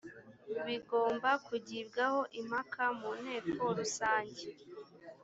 bigomba kugibwaho impaka mu nteko rusange